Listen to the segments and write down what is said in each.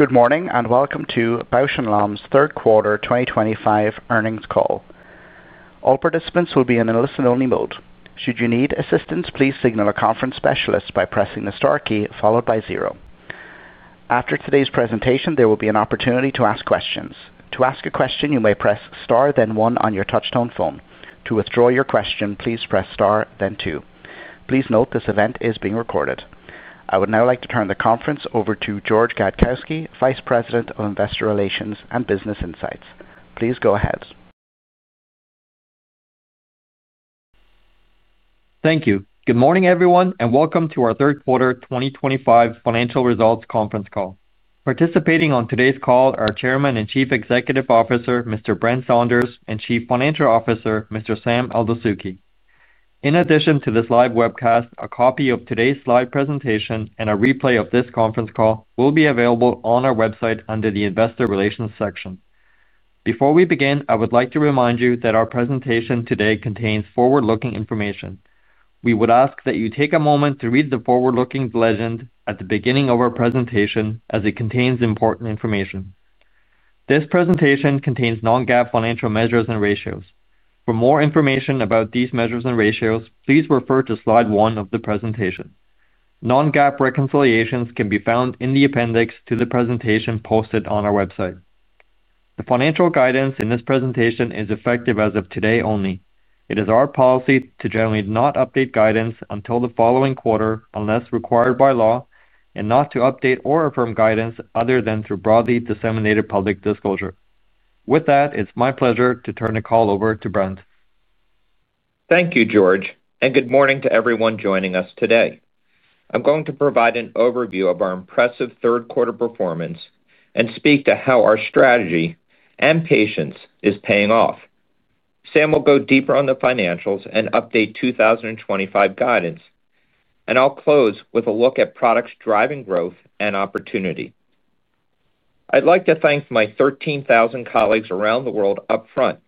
Good morning and welcome to Bausch + Lomb's third quarter 2025 earnings call. All participants will be in a listen-only mode. Should you need assistance, please signal a conference specialist by pressing the star key followed by zero. After today's presentation, there will be an opportunity to ask questions. To ask a question, you may press star then one on your touchtone phone. To withdraw your question, please press star then two. Please note this event is being recorded. I would now like to turn the conference over to George Gadkowski, Vice President of Investor Relations and Business Insights. Please go ahead. Thank you. Good morning everyone and welcome to our third quarter 2025 financial results conference call. Participating on today's call are Chairman and Chief Executive Officer Mr. Brent Saunders and Chief Financial Officer Mr. Sam Eldessouky. In addition to this live webcast, a copy of today's slide presentation and a replay of this conference call will be available on our website under the Investor Relations section. Before we begin, I would like to remind you that our presentation today contains forward-looking information. We would ask that you take a moment to read the forward-looking legend at the beginning of our presentation as it contains important information. This presentation contains non-GAAP financial measures and ratios. For more information about these measures and ratios, please refer to slide one of the presentation. Non-GAAP reconciliations can be found in the appendix to the presentation posted on our website. The financial guidance in this presentation is effective as of today only. It is our policy to generally not update guidance until the following quarter unless required by law, and not to update or affirm guidance other than through broadly disseminated public disclosure. With that, it's my pleasure to turn the call over to Brent. Thank you, George. Good morning to everyone joining us today. I'm going to provide an overview of our impressive third quarter performance and speak to how our strategy and patience is paying off. Sam will go deeper on the financials and update 2025 guidance. I'll close with a look at products driving growth and opportunity. I'd like to thank my 13,000 colleagues around the world up front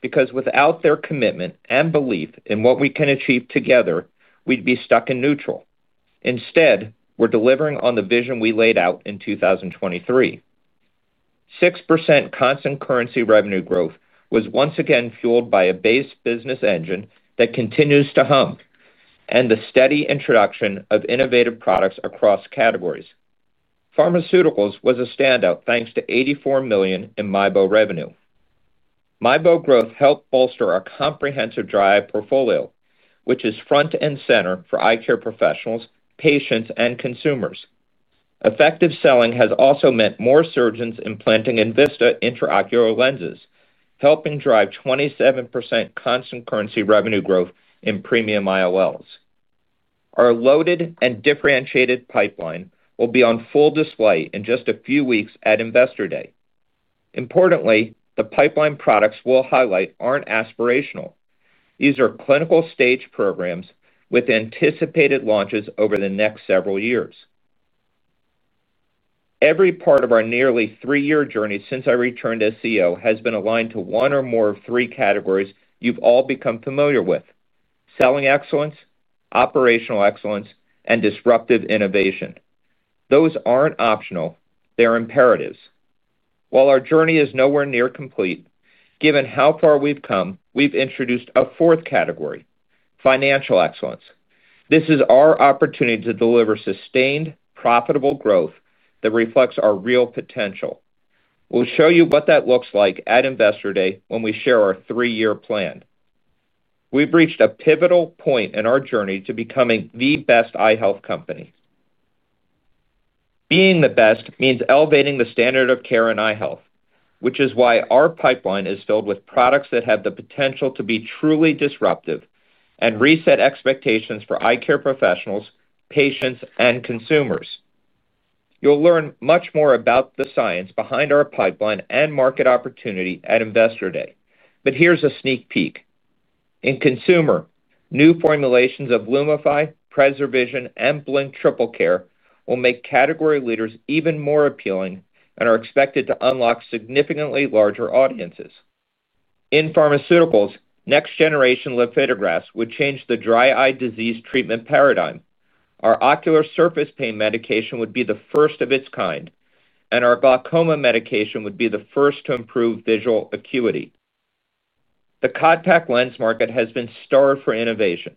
because without their commitment and belief in what we can achieve together, we'd be stuck in neutral. Instead, we're delivering on the vision we laid out in 2023. 6% constant currency revenue growth was once again fueled by a base business engine that continues to hum, and the steady introduction of innovative products across categories. Pharmaceuticals was a standout thanks to $84 million in MIEBO revenue. MIEBO growth helped bolster our comprehensive dry eye portfolio, which is front and center for eye care professionals, patients, and consumers. Effective selling has also meant more surgeons implanting enVista Intraocular lenses, helping drive 27% constant currency revenue growth in premium IOLs. Our loaded and differentiated pipeline will be on full display in just a few weeks at Investor Day. Importantly, the pipeline products we'll highlight aren't aspirational. These are clinical stage programs with anticipated launches over the next several years. Every part of our nearly three year journey since I returned as CEO has been aligned to one or more of three categories you've all become familiar with: Selling Excellence, Operational Excellence, and Disruptive Innovation. Those aren't optional, they're imperatives. While our journey is nowhere near complete, given how far we've come, we've introduced a fourth category, Financial Excellence. This is our opportunity to deliver sustained, profitable growth that reflects our real potential. We'll show you what that looks like at Investor Day when we share our three year plan. We've reached a pivotal point in our journey to becoming the best eye health company. Being the best means elevating the standard of care in eye health, which is why our pipeline is filled with products that have the potential to be truly disruptive and reset expectations for eye care professionals, patients, and consumers. You'll learn much more about the science behind our pipeline and market opportunity at Investor Day, but here's a sneak peek. In consumer, new formulations of LUMIFY, PreserVision, and Blink Triple Care will make category leaders even more appealing and are expected to unlock significantly larger audiences. In pharmaceuticals, next generation lifidografts would change the dry eye disease treatment paradigm. Our Ocular surface pain medication would be the first of its kind, and our glaucoma medication would be the first to improve visual acuity. The contact lens market has been starved for innovation.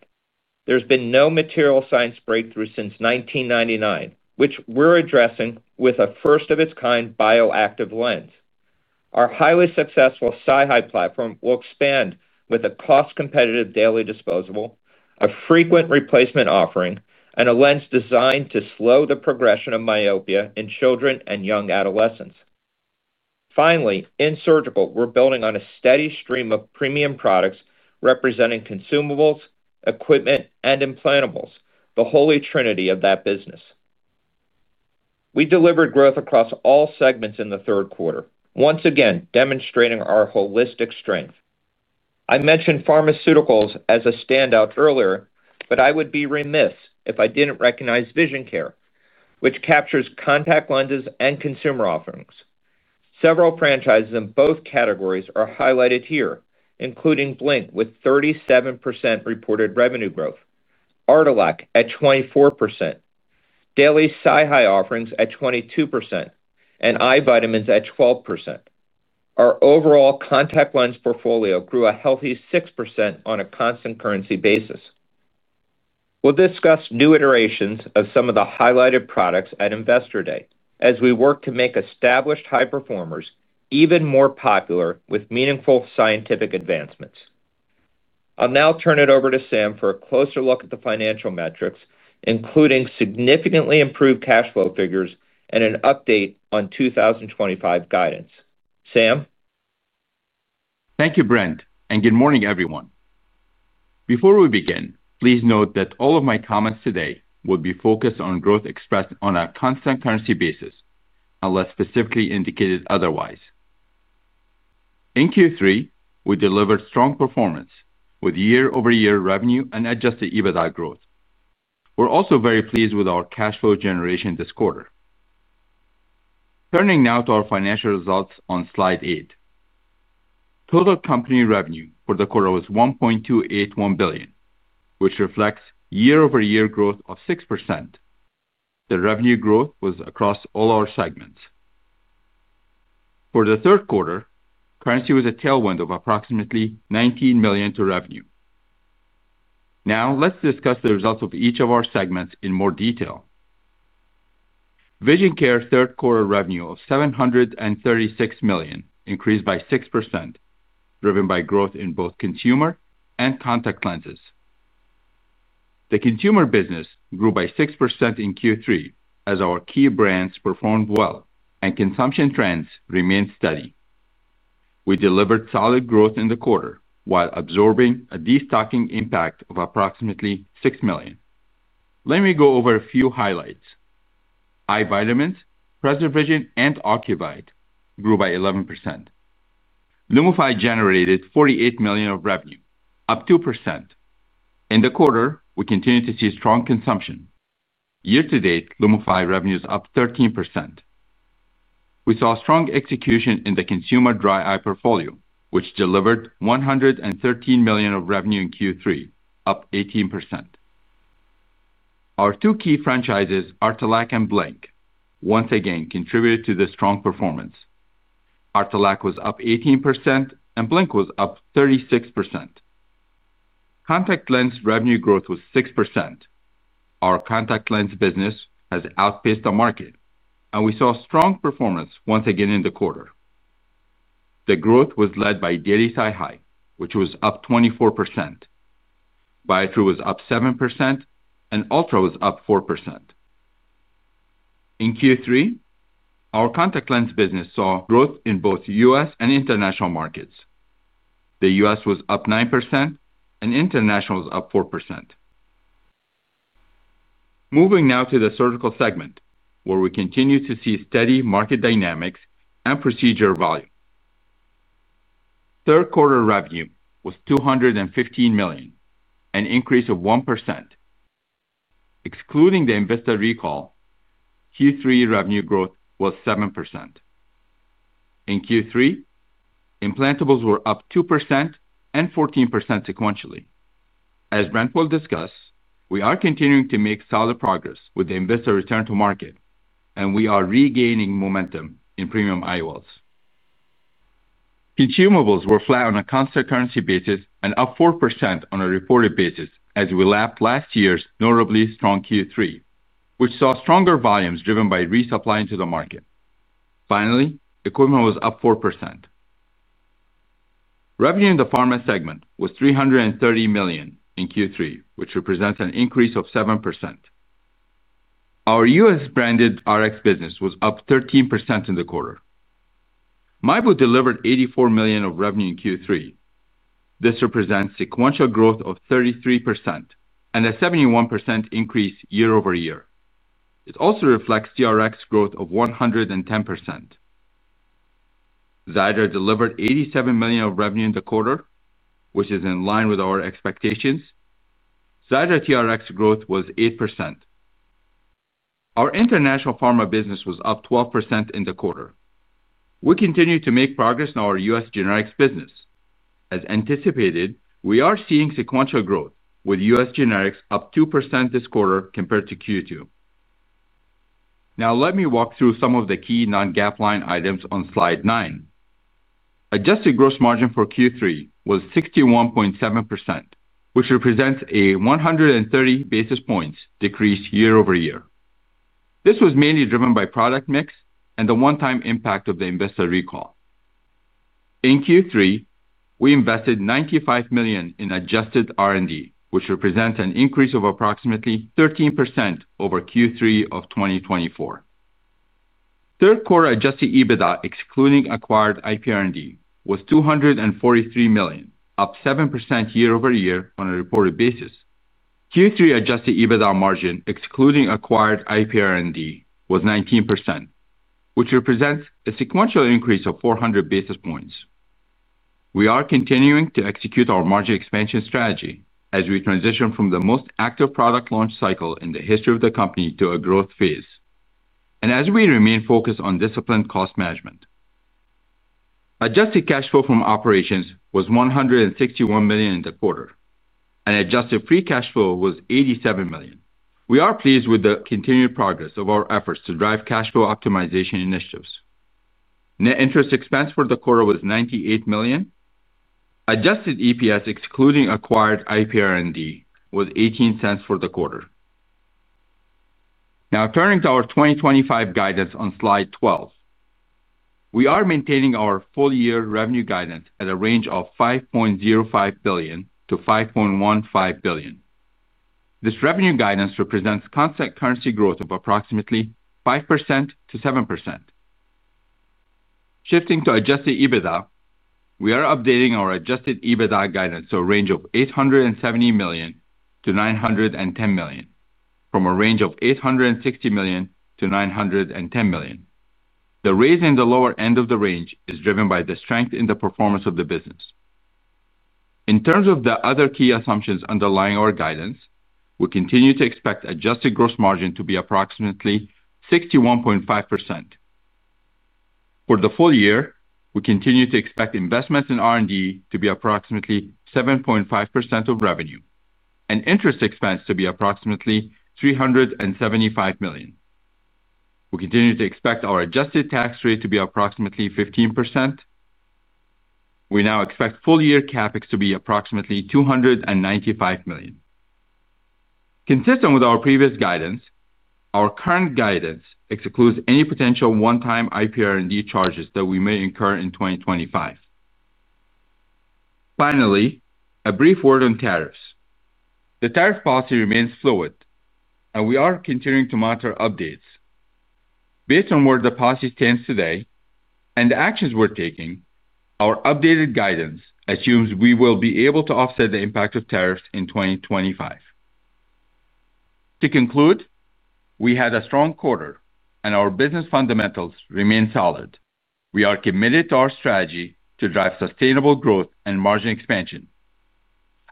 There's been no material science breakthrough since 1999, which we're addressing with a first of its kind bioactive lens. Our highly successful SIHY platform will expand with a cost competitive daily disposable, a frequent replacement offering, and a lens designed to slow the progression of myopia in children and young adolescents. Finally, in surgical, we're building on a steady stream of premium products representing consumables, equipment, and implantables, the holy trinity of that business. We delivered growth across all segments in the third quarter, once again demonstrating our holistic strength. I mentioned pharmaceuticals as a standout earlier, but I would be remiss if I didn't recognize Vision Care, which captures contact lenses and consumer offerings. Several franchises in both categories are highlighted here, including Blink with 37% reported revenue growth, Artelac at 24%, daily SIHY offerings at 22%, and Eye Vitamins at 12%. Our overall contact lens portfolio grew a healthy 6% on a constant currency basis. We'll discuss new iterations of some of our products. The highlighted products at Investor Day as we work to make established high performers even more popular with meaningful scientific advancements. I'll now turn it over to Sam for a closer look at the financial metrics, including significantly improved cash flow figures and an update on 2025 guidance. Sam, Thank you Brent, and good morning everyone. Before we begin, please note that all of my comments today will be focused on growth expressed on a constant currency basis unless specifically indicated otherwise. In Q3, we delivered strong performance with year-over-year revenue and adjusted EBITDA growth. We're also very pleased with our cash flow generation this quarter. Turning now to our financial results on Slide 8, total company revenue for the quarter was $1.281 billion, which reflects year-over-year growth of 6%. The revenue growth was across all our segments for the third quarter. Currency was a tailwind of approximately $19 million to revenue. Now let's discuss the results of each of our segments in more detail. Vision Care third quarter revenue of $736 million increased by 6%, driven by growth in both consumer and contact lenses. The consumer business grew by 6% in Q3 as our key brands performed well and consumption trends remained steady. We delivered solid growth in the quarter while absorbing a destocking impact of approximately $6 million. Let me go over a few highlights. Eye vitamins, PreserVision and Ocuvite, grew by 11%. LUMIFY generated $48 million of revenue, up 2% in the quarter. We continued to see strong consumption year-to-date. LUMIFY revenue is up 13%. We saw strong execution in the consumer dry eye portfolio, which delivered $113 million of revenue in Q3, up 18%. Our two key franchises, Artelac and Blink, once again contributed to the strong performance. Artelac was up 18% and Blink was up 36%. Contact lens revenue growth was 6%. Our contact lens business has outpaced the market, and we saw strong performance once again in the quarter. The growth was led by daily SIHY, which was up 24%. Biotrue was up 7% and Ultra was up 4%. In Q3, our contact lens business saw growth in both U.S. and international markets. The U.S. was up 9% and international is up 4%. Moving now to the surgical segment, where we continue to see steady market dynamics and procedure volume, third quarter revenue was $215 million, an increase of 1%. Excluding the enVista recall, Q3 revenue growth was 7%. Implantables were up 2% and 14% sequentially. As Brent will discuss, we are continuing to make solid progress with the enVista return to market, and we are regaining momentum in premium IOLs. Consumables were flat on a constant currency basis and up 4% on a reported basis as we lapped last year's notably strong Q3, which saw stronger volumes driven by resupply into the market. Finally, equipment was up 4%. Revenue in the pharmaceuticals segment was $330 million in Q3, which represents an increase of 7%. Our U.S. branded RX business was up 13% in the quarter. MIEBO delivered $84 million of revenue in Q3. This represents sequential growth of 33% and a 71% increase year-over-year. It also reflects TRX growth of 110%. Xiidra delivered $87 million of revenue in the quarter, which is in line with our expectations. Xiidra TRX growth was 8%. Our international pharmaceuticals business was up 12% in the quarter. We continue to make progress in our U.S. Generics business. As anticipated, we are seeing sequential growth with U.S. generics up 2% this quarter compared to Q2. Now let me walk through some of the key non-GAAP line items on slide 9. Adjusted gross margin for Q3 was 61.7%, which represents a 130 basis points decrease year-over-year. This was mainly driven by product mix and the one-time impact of the enVista IOL recall. In Q3, we invested $95 million in adjusted R&D, which represents an increase of approximately 13% over Q3 of 2024. Third quarter adjusted EBITDA excluding acquired IPR&D was $243 million, up 7% year-over-year on a reported basis. Q3 adjusted EBITDA margin excluding acquired IPR&D was 19%, which represents a sequential increase of 400 basis points. We are continuing to execute our margin expansion strategy as we transition from the most active product launch cycle in the history of the company to a growth phase and as we remain focused on disciplined cost management. Adjusted cash flow from operations was $161 million in the quarter, and adjusted free cash flow was $87 million. We are pleased with the continued progress of our efforts to drive cash flow optimization initiatives. Net interest expense for the quarter was $98 million. Adjusted EPS excluding acquired IPR&D was $0.18 for the quarter. Now turning to our 2025 guidance on slide 12, we are maintaining our full year revenue guidance at a range of $5.05 billion-$5.15 billion. This revenue guidance represents constant currency growth of approximately 5%-7%. Shifting to adjusted EBITDA, we are updating our adjusted EBITDA guidance to a range of $870 million-$910 million, from a range of $860 million-$910 million. The raise in the lower end of the range is driven by the strength in the performance of the business. In terms of the other key assumptions underlying our guidance, we continue to expect adjusted gross margin to be approximately 61.5% for the full year. We continue to expect investments in R&D to be approximately 7.5% of revenue and interest expense to be approximately $375 million. We continue to expect our adjusted tax rate to be approximately 15%. We now expect full year CapEx to be approximately $295 million, consistent with our previous guidance. Our current guidance excludes any potential one-time IPR&D charges that we may incur in 2025. Finally, a brief word on tariffs. The tariff policy remains fluid, and we are continuing to monitor updates based on where the policy stands today and the actions we're taking. Our updated guidance assumes we will be able to offset the impact of tariffs in 2025. To conclude, we had a strong quarter and our business fundamentals remain solid. We are committed to our strategy to drive sustainable growth and margin expansion.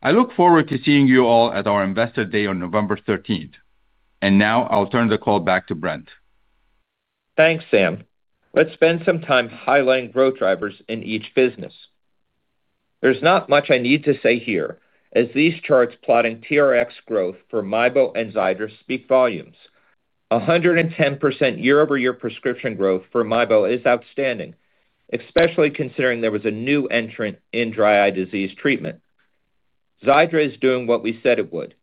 I look forward to seeing you all at our Investor Day on November 13. Now I'll turn the call back to Brent. Thanks, Sam. Let's spend some time highlighting growth drivers in each business. There's not much I need to say here as these charts plotting TRX growth for MIEBO and Xiidra speak volumes: 110% year-over-year. Prescription growth for MIEBO is outstanding, especially considering there was a new entrant in dry eye disease treatment. Xiidra is doing what we said it would,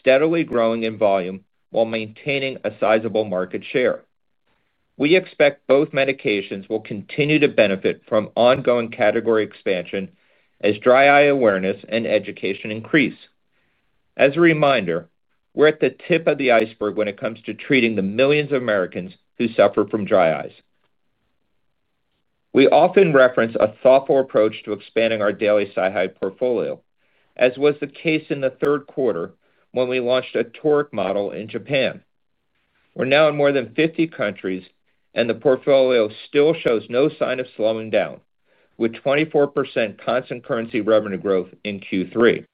steadily growing in volume while maintaining a sizable market share. We expect both medications will continue to benefit from ongoing category expansion as dry eye awareness and education increase. As a reminder, we're at the tip of the iceberg when it comes to treating the millions of Americans who suffer from dry eyes. We often reference a thoughtful approach to expanding our daily SIHY portfolio, as was the case in the third quarter when we launched a Toric model in Japan. We're now in more than 50 countries and the portfolio still shows no sign of slowing down, with 24% constant currency revenue growth in Q3.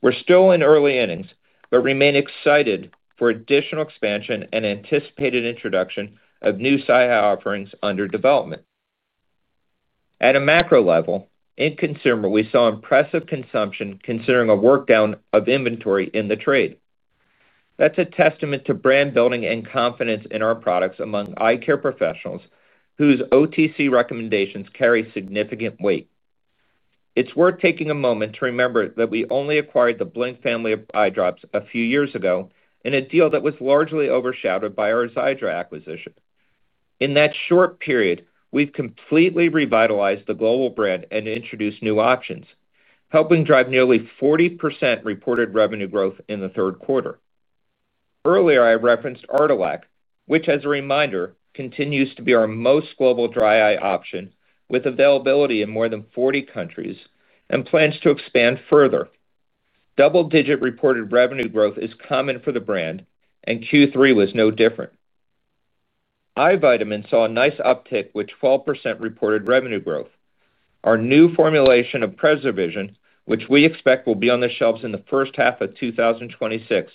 We're still in early innings but remain excited for additional expansion and anticipated introduction of new SIHY offerings under development. At a macro level in consumer, we saw impressive consumption considering a work down of inventory in the trade. That's a testament to brand building and confidence in our products among eye care professionals whose OTC recommendations carry significant weight. It's worth taking a moment to remember that we only acquired the Blink family of eye drops a few years ago in a deal that was largely overshadowed by our Xiidra acquisition. In that short period, we've completely revitalized the global brand and introduced new options, helping drive nearly 40% reported revenue growth in the third quarter. Earlier, I referenced Artelac, which as a reminder continues to be our most global dry eye option with availability in more than 40 countries and plans to expand further. Double-digit reported revenue growth is common for the brand and Q3 was no different. Eye vitamin saw a nice uptick with 12% reported revenue growth. Our new formulation of PreserVision, which we. Expect will be on the shelves. The first half of 2026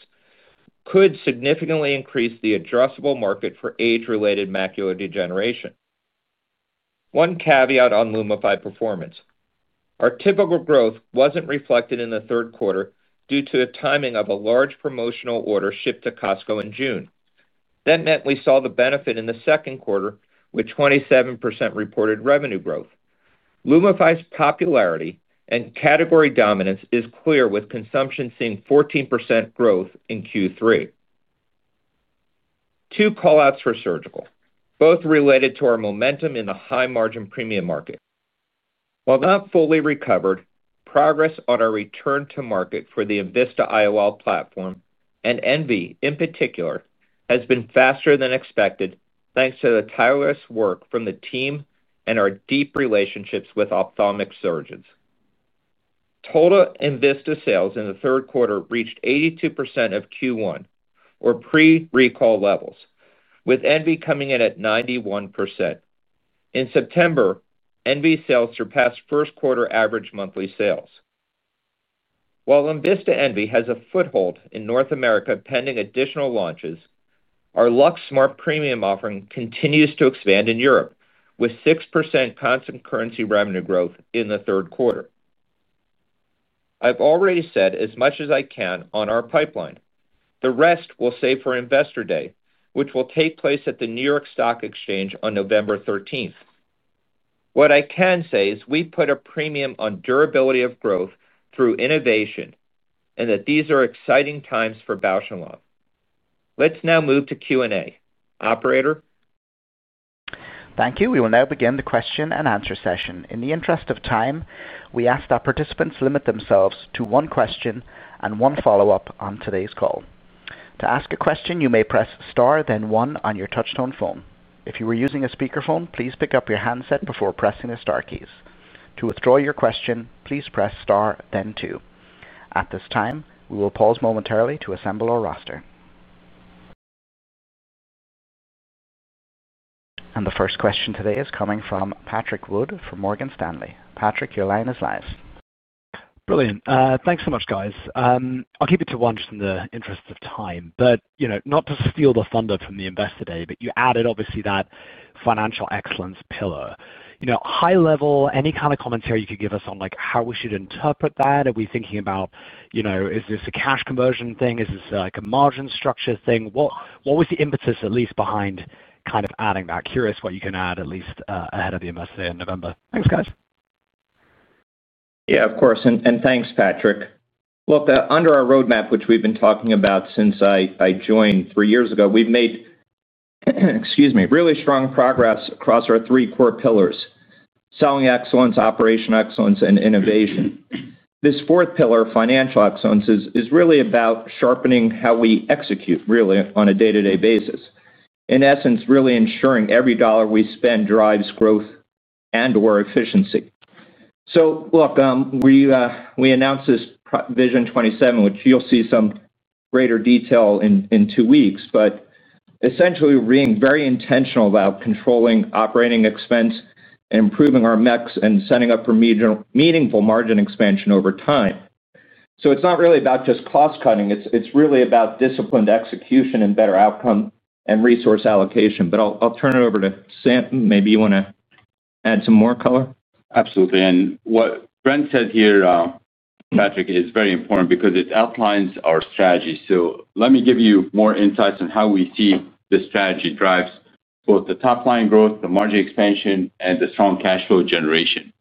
could significantly increase the addressable market for age-related macular degeneration. One caveat on LUMIFY performance: our typical growth wasn't reflected in the third quarter due to the timing of a large promotional order shipped to Costco in June. That meant we saw the benefit in the second quarter with 27% reported revenue growth. LUMIFY popularity and category dominance is clear, with consumption seeing 14% growth in Q3. Two callouts for surgical, both related to our momentum in the high-margin premium market. While not fully recovered, progress on our return to market for the enVista IOL platform and Envy in particular has been faster than expected thanks to the tireless work from the team and our deep relationships with Ophthalmic Surgeons. Total enVista sales in the third quarter reached 82% of Q1 or pre-recall levels, with Envy coming in at 91% in September. Envy sales surpassed first quarter average monthly sales, while enVista Envy has a foothold in North America pending additional launches. Our LuxSmart Premium offering continues to expand in Europe with 6% constant currency revenue growth in the third quarter. I've already said as much as I can on our pipeline. The rest will save for Investor Day, which will take place at the New York Stock Exchange on November 13th. What I can say is we put a premium on durability of growth through innovation and that these are exciting times for Bausch + Lomb. Let's now move to Q&A, operator. Thank you. We will now begin the question and answer session. In the interest of time, we ask that participants limit themselves to one question and one follow-up on today's call. To ask a question, you may press star then one on your touchtone phone. If you are using a speakerphone, please pick up your handset before pressing the star keys. To withdraw your question, please press star then two. At this time, we will pause momentarily to assemble our roster. The first question today is coming from Patrick Wood from Morgan Stanley. Patrick, your line is live. Brilliant. Thanks so much, guys. I'll keep it to one just in the interest of time. Not to steal the thunder from the Investor Day, but you added obviously that financial excellence pillar, high level. Any kind of commentary you could give us on how we should interpret that, are we thinking about is this a cash conversion thing? Is this a margin structure thing? What was the impetus at least behind adding that? Curious what you can add at least ahead of the Investor Day in November. Thanks, guys. Yeah, of course. Thanks, Patrick. Look, under our roadmap, which we've been talking about since I joined three years ago, we've made really strong progress across our three core pillars: Selling Excellence, Operation Excellence, and Innovation. This fourth pillar, Financial Excellence, is really about sharpening how we execute on a day-to-day basis. In essence, really ensuring every dollar we spend drives growth and or efficiency. We announced this Vision 27, which you'll see some greater detail in two weeks. Essentially, we're being very intentional about controlling operating expense, improving our MECs, and setting up for meaningful margin expansion over time. It's not really about just cost cutting. It's really about disciplined execution and better outcome and resource allocation. I'll turn it over to Sam. Maybe you want to add some more color. Absolutely. What Brent said here, Patrick, is very important because it outlines our strategy. Let me give you more insights on how we see this strategy drives. Both the top line growth, the margin expansion, and the strong cash flow generation.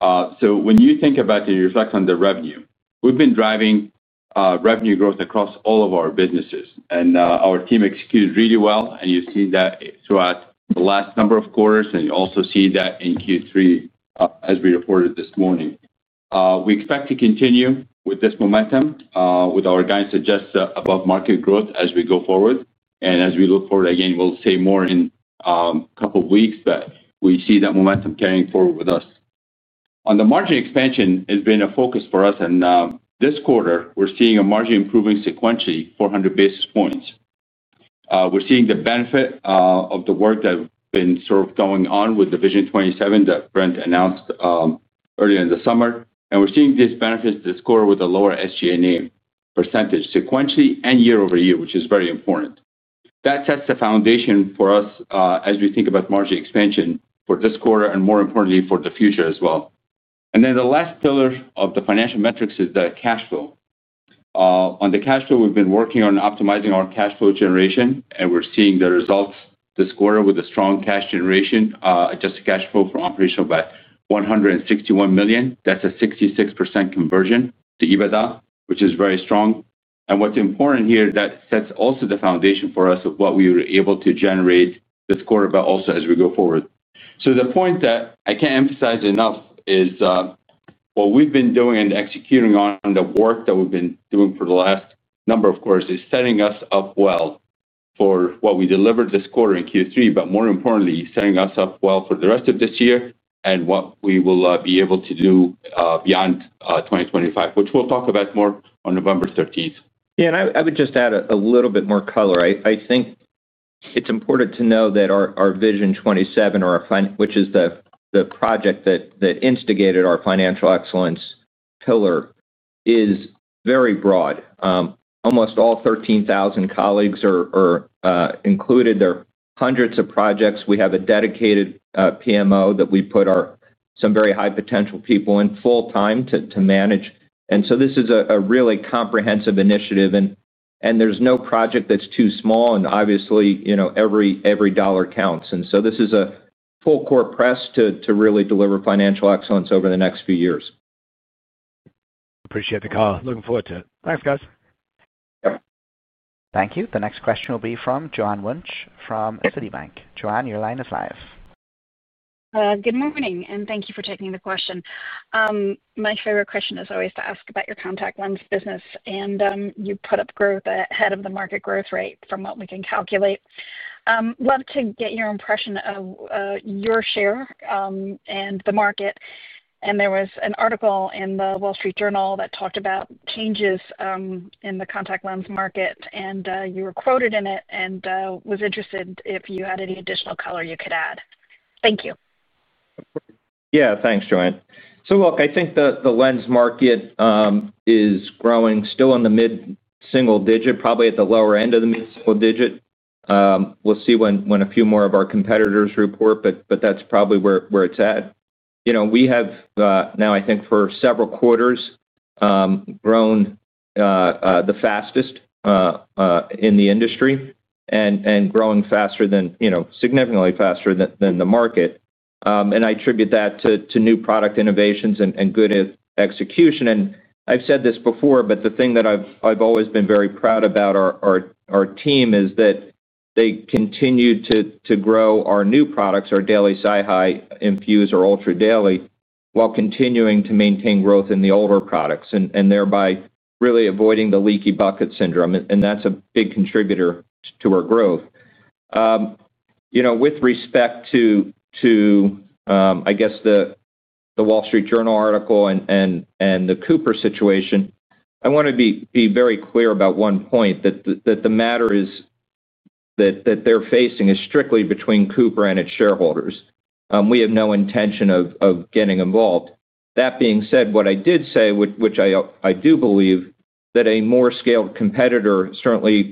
When you think about and reflect on the revenue. We've been driving revenue growth across all of our businesses and our team executed really well. You see that throughout the last number of quarters and you also see that in Q3 as we reported this morning. We expect to continue with this momentum with our guidance, which suggests above market growth as we go forward. As we look forward again, we'll say more in a couple of weeks. We see that momentum carrying forward with us. Margin expansion has been a focus for us and this quarter we're seeing margin improving sequentially, 400 basis points. We're seeing the benefit of the work that has been going on with the Vision 27 that Brent announced earlier in the summer. We're seeing this benefit this quarter with a lower SG&A percentage sequentially and year-over-year, which is very important. That sets the foundation for us as we think about margin expansion for this quarter and, more importantly, for the future as well. The last pillar of the financial metrics is the cash flow. On the cash flow, we've been working on optimizing our cash flow generation and we're seeing the results this quarter with a strong cash generation, adjusted cash flow for operational by $161 million. That's a 66% conversion to EBITDA, which is very strong. What's important here is that this also sets the foundation for us for what we were able to generate this quarter, but also as we go forward. The point that I can't emphasize enough is what we've been doing and executing on the work that we've been doing for the last number of quarters is setting us up well for what we delivered this quarter in Q3, but more importantly setting us up well for the rest of this year and what we will be able to do beyond 2025, which we'll talk about more on November 13th. Yeah, and I would just add a little bit more color. I think it's important to know that our Vision 27, which is the project that instigated our financial excellence pillar, is very broad. Almost all 13,000 colleagues are included. There are hundreds of projects. We have a dedicated PMO that we put some very high potential people in full time to manage, and this is a really comprehensive initiative. And. There is no project that's too small, and obviously every dollar counts. This is a full court press to really deliver financial excellence over the next few years. Appreciate the call. Looking forward to it. Thanks, guys. Thank you. The next question will be from Joanne Wuensch from Citibank. Joanne, your line is live. Good morning and thank you for taking the question. My favorite question is always to ask about your contact lens business, and you put up growth ahead of the market growth rate from what we can calculate. Love to get your impression of your share and the market. There was an article in The Wall Street Journal that talked about changes in the contact lens market, and you were quoted in it. I was interested if you had any additional color you could add. Thank you. Yeah, thanks, Joanne. I think the lens market is growing still in the mid single digit, probably at the lower end of the mid single digit. We'll see when a few more of our competitors report, but that's probably where it's at. We have now, I think for several quarters, grown the fastest in the industry and growing significantly faster than the market. I attribute that to new product innovations and good execution. I've said this before, but the thing that I've always been very proud about our team is that they continue to grow our new products, our daily SIHY Infuse or Ultra daily, while continuing to maintain growth in the older products and thereby really avoiding the leaky bucket syndrome. That's a big contributor to our growth. With respect to the Wall Street Journal article and the Cooper situation, I want to be very clear about one point, that the matter that they're facing is strictly between Cooper and its shareholders. We have no intention of getting involved. That being said, what I did say, which I do believe, is that a more scaled competitor certainly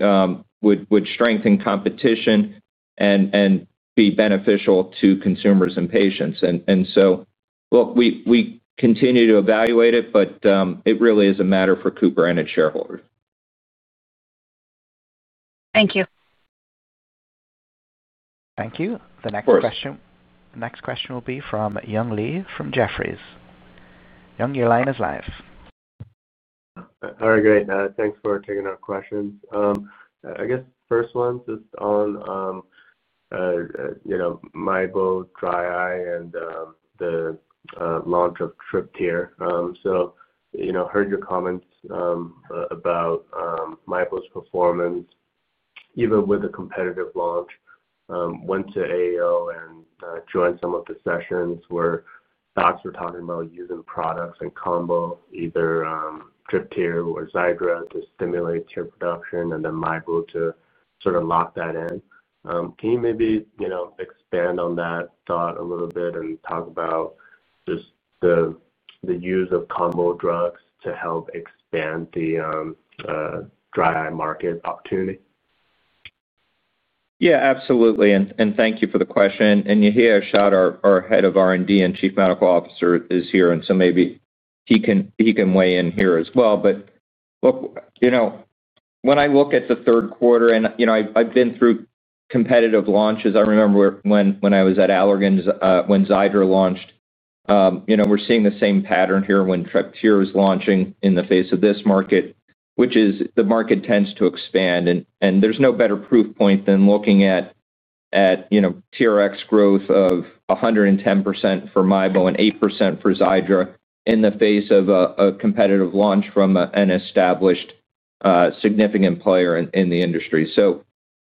would strengthen competition and be beneficial to consumers and patients. We continue to evaluate it, but it really is a matter for Cooper and its shareholders. Thank you. Thank you. The next question will be from Young Li from Jefferies. Your line is live. All right, great. Thanks for taking our questions. I guess. First one, just on MIEBO dry eye and the launch of Blink Triple Care. Heard your comments about MIEBO's performance even with a competitive launch. Went to AO and joined some of the sessions where docs were talking about using products in combo, either Xiidra or Blink Triple Care to stimulate tear production and then MIEBO to sort of lock that in. Can you maybe expand on that thought a little bit and talk about just the use of combo drugs to help expand the dry eye market opportunity? Yeah, absolutely. Thank you for the question. Yehia Hashad, our Head of R&D and Chief Medical Officer, is here, so maybe he can weigh in here as well. But. When I look at the third quarter and I've been through competitive launches, I remember when I was at Allergan when Xiidra launched, we're seeing the same pattern here. When Xiidra is launching in the face of this market, which is the market tends to expand and there's no better proof point than looking at TRX growth of 110% for MIEBO and 8% for Xiidra in the face of a competitive launch from an established significant player in the industry.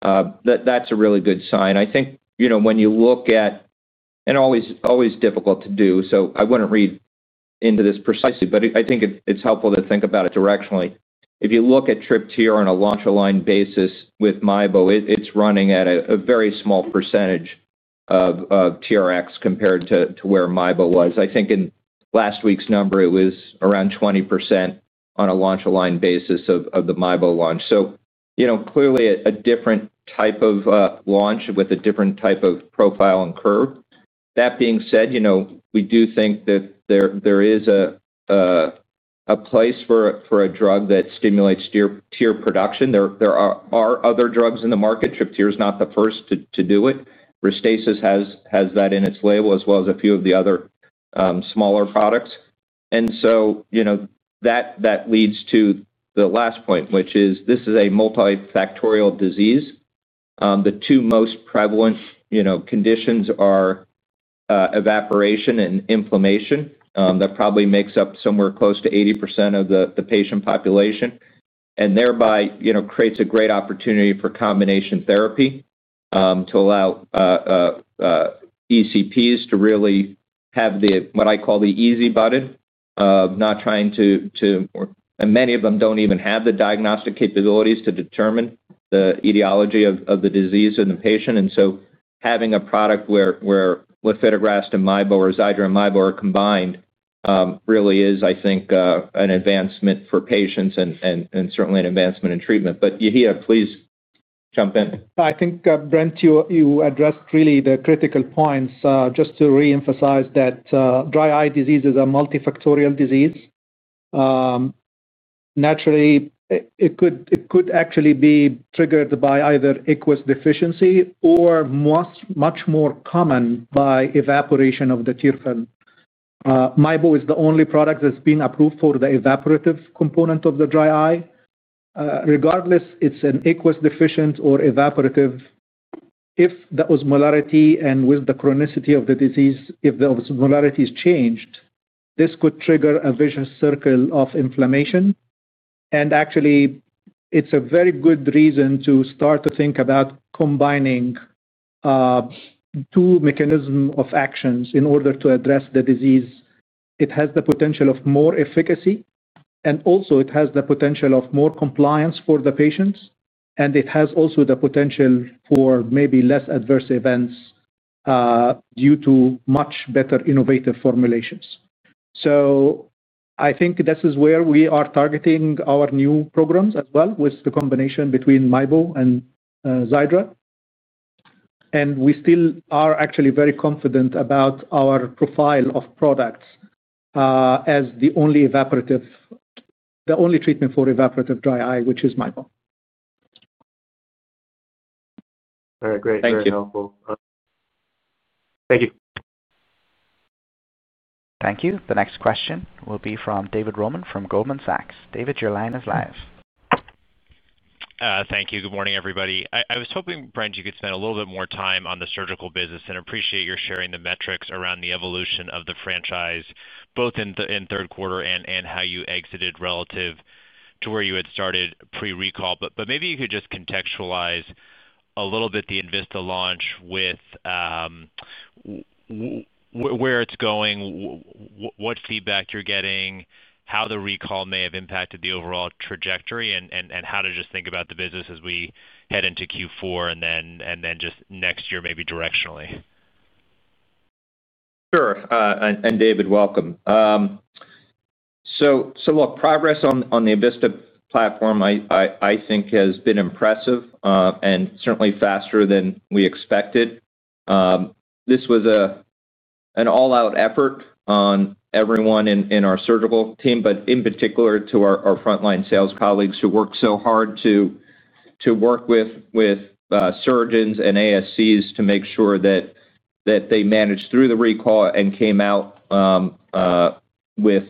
That's a really good sign. I think when you look at and always difficult to do. I wouldn't read into this precisely, but I think it's helpful to think about it directionally. If you look at Xiidra on. A launch-aligned basis with MIEBO, it's running at a very small percentage of TRX compared to where MIEBO was. I think in last week's number it was around 20% on a launch-aligned basis of the MIEBO launch. Clearly a different type of launch. With a different type of profile and curve. That being said, we do think that there is a place for a drug that stimulates tear production. There are other drugs in the market. Xiidra is not the first to do it. RESTASIS has that in its label as well as a few of the other smaller products. This is a multifactorial disease. The two most prevalent conditions are evaporation and inflammation. That probably makes up somewhere close to 80% of the patient population and thereby creates a great opportunity for combination therapy. To allow. ECPs to really have what I call the easy button, not trying to. Many of them don't even have the diagnostic capabilities to determine the etiology of the disease in the patient. Having a product where Xiidra and MIEBO or Xiidra and MIEBO are combined really is, I think, an advancement for patients and certainly an advancement in treatment. Yahia, please jump in. I think, Brent, you addressed really the critical points. Just to reemphasize that dry eye disease is a multifactorial disease. Naturally, it could actually be triggered by either aqueous deficiency or, much more common, by evaporation of the tear film. MIEBO is the only product that's been approved for the evaporative component of the dry eye. Regardless, it's an aqueous deficient or evaporative. If the osmolarity and with the chronicity of the disease, if the osmolarity is changed, this could trigger a vicious circle of inflammation. Actually, it's a very good reason to start to think about combining. Two. Mechanism of actions in order to address the disease. It has the potential of more efficacy, and also it has the potential of more compliance for the patients. It has also the potential for maybe less adverse events due to much better innovative formulations. I think this is where we are targeting our new programs as well with the combination between MIEBO and Xiidra. We still are actually very confident about our profile of products as the only evaporative, the only treatment for evaporative dry eye, which is MIEBO. All right, great. Thank you. The next question will be from David Roman from Goldman Sachs. David, your line is live. Thank you. Good morning, everybody. I was hoping, Brent, you could spend a little bit more time on the surgical business and appreciate your sharing the metrics around the evolution of the franchise both in third quarter and how you exited relative to where you had started pre-recall. Maybe you could just contextualize a little bit the enVista IOL launch. Where. It's going, what feedback you're getting, how the recall may have impacted the overall trajectory, and how to just think about the business as we head into Q4 and then just next year maybe directionally. Sure. David, welcome. Progress on the enVista IOL platform I think has been impressive and certainly faster than we expected. This was an all-out effort on everyone in our surgical team, particularly our frontline sales colleagues who worked so hard to work with surgeons and ASCs to make sure that they managed through the recall and came out with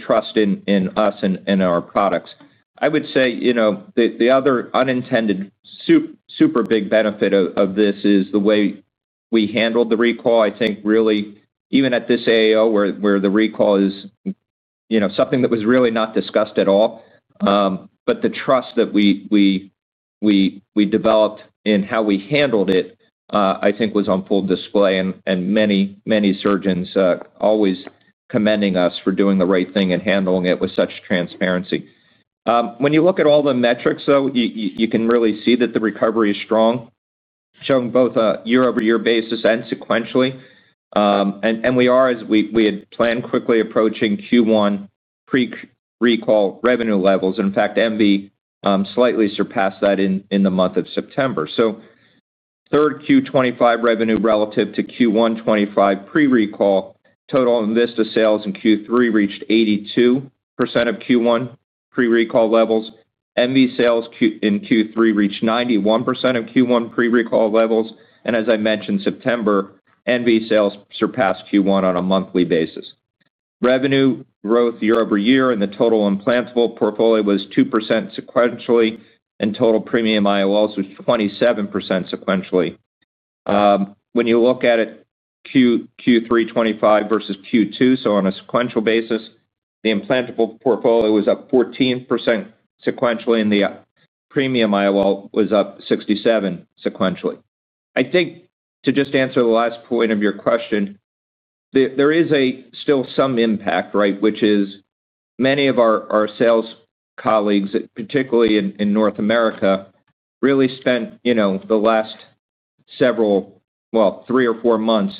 trust in us and our products. I would say the other unintended super big benefit of this is the way. We handled the recall. I think really even at this AO where the recall is something that was really not discussed at all, the trust that we developed and how we handled it I think was on full display, and many, many surgeons always commending us for doing the right thing and handling it with such transparency. When you look at all the metrics, you can really see that the recovery is strong, showing both on a year-over-year basis and sequentially. We are, as we had planned, quickly approaching Q1 pre-recall revenue levels. In fact, MV slightly surpassed that in the month of September. Third quarter 2025 revenue relative to Q1 2025 pre-recall, total enVista IOL sales in Q3 reached 82% of Q1 pre-recall levels. MV sales in Q3 reached 91% of Q1 pre-recall levels. As I mentioned, September MV sales surpassed Q1 on a monthly basis. Revenue growth year-over-year in the total implantable portfolio was 2% sequentially, and total premium IOLs was 27% sequentially when you look at it Q3 2025 versus Q2. On a sequential basis, the implantable portfolio was up 14% sequentially, and the premium IOL was up 67% sequentially. I think to just answer the last point of your question, there is still some impact, right? Many of our sales colleagues, particularly in North America, really spent the last several, well, three or four months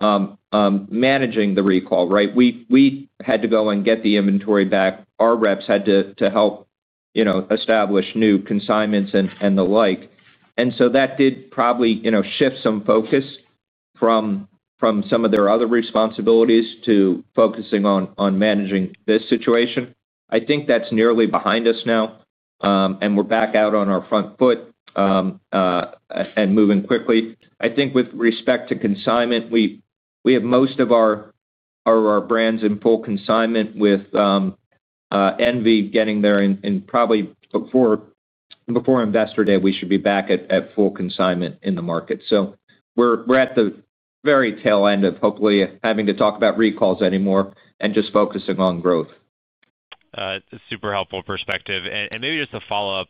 managing the recall. We had to go and get the inventory back. Our reps had to help establish new consignments and the like, and that did probably shift some focus from some of their other responsibilities to focusing on managing this situation. I think that's nearly behind us now, and we're back out on our front foot and moving quickly. With respect to consignment, we have most of our brands in full consignment, with enVista IOL getting there, and probably before Investor Day we should be back at full consignment in the market. We're at the very tail end of hopefully having to talk about recalls. Anymore, and just focusing on growth. Super helpful perspective. Maybe just a follow-up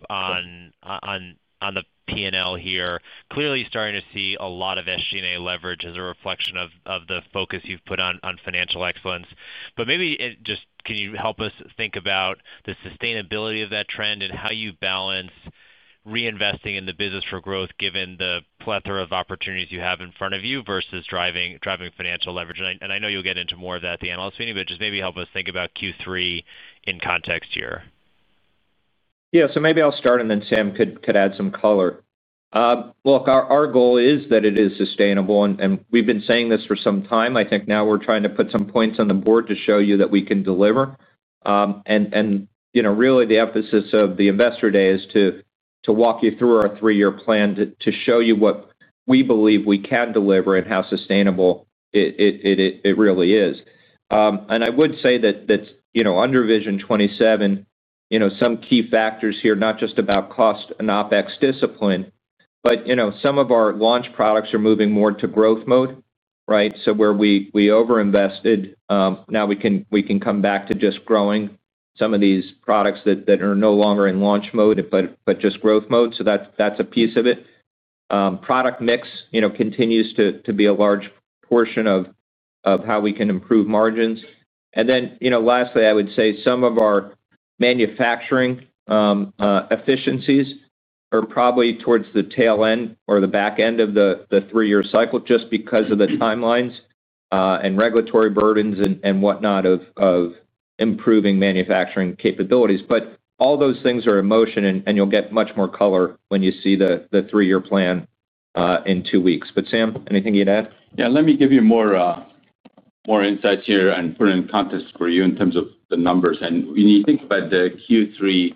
on the P&L here. Clearly starting to see a lot of SG&A leverage as a reflection of the focus you've put on financial excellence. Can you help us think about the sustainability of that trend and how you balance reinvesting in the business for growth given the plethora of opportunities you have in front of you versus driving financial leverage? I know you'll get into more of that at the analyst meeting, but maybe help us think about Q3 in context here. Yes. I'll start and then Sam could add some color. Look, our goal is that it is sustainable and we've been saying this for some time. I think now we're trying to put some points on the board to show you that we can deliver. Really, the emphasis of the Investor Day is to walk you through our three-year plan to show you what we believe we can deliver and how sustainable it really is. I would say that under Vision 27, some key factors here are not just about cost and OpEx discipline, but some. of our launch products are moving more to growth mode. Where we over invested, now we can come back to just growing some of these products that are no longer. In launch mode, but just growth mode. That's a piece of it. Product mix continues to be a large portion of how we can improve margins. Lastly, I would say some of our manufacturing efficiencies are probably towards the tail end or the back end of the three year cycle just because of the timelines and regulatory burdens and whatnot of improving manufacturing capabilities. All those things are in motion, and you'll get much more color when you see the three year plan in two weeks. Sam, anything you'd add? Yeah, let me give you more insights here and put it in context for you in terms of the numbers and when you think about the Q3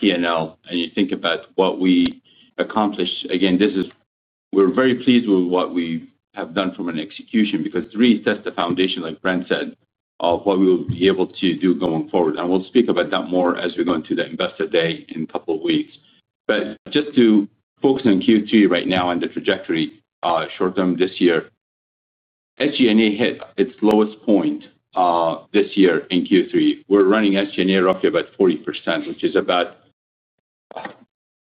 P&L and you think about what we accomplished. Again, this is, we're very pleased with what we have done from an execution because it really sets the foundation, like Brent said, of what we will be able to do going forward and we'll speak about that more as we go into the Investor Day in a couple of weeks. Just to focus on Q3 right now and the trajectory short term this year, SG&A hit its lowest point this year in Q3. We're running SG&A roughly about 40%, which is about.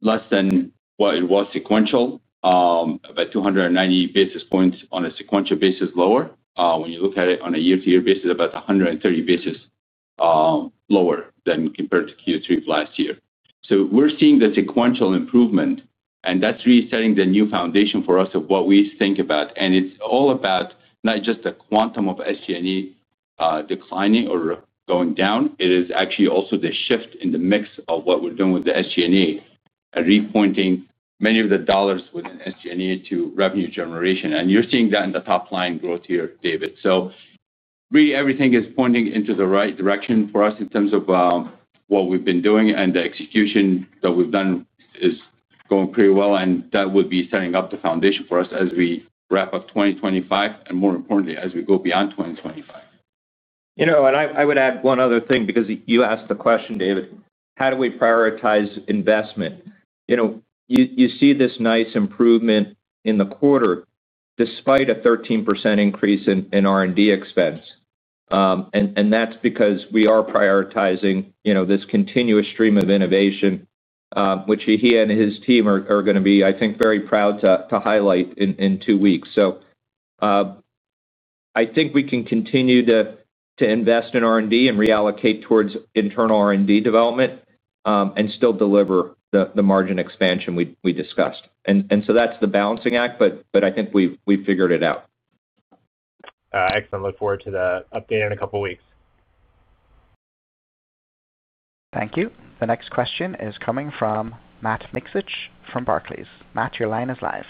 Less than. It was sequential, about 290 basis points on a sequential basis lower. When you look at it on a year-to-year basis, about 130 basis points lower than compared to Q3 of last year. We're seeing the sequential improvement and that's resetting the new foundation for us of what we think about. It's all about not just the quantum of SG&A declining or going down, it is actually also the shift in the mix of what we're doing with the SG&A, pointing many of the dollars within SG&A to revenue generation, and you're seeing that in the top line growth here, David. Everything is pointing in the right direction for us in terms of what we've been doing, and the execution that we've done is going pretty well. That would be setting up the foundation for us as we wrap up 2025 and, more importantly, as we go beyond 2025. I would add one other thing, because you asked the question, David, how do we prioritize investment? You see this nice improvement in the. Quarter despite a 13% increase in R&D expense, and that's because we are prioritizing this continuous stream of innovation, which he and his team are going to be, I think, very proud to highlight in two weeks. I think we can continue to invest in R&D and reallocate towards internal R&D development and still deliver the margin expansion we discussed. That's the balancing act, but I think we figured it out. Excellent. Look forward to the update in a couple of weeks. Thank you. The next question is coming from Matt Miksich from Barclays. Matt, your line is live.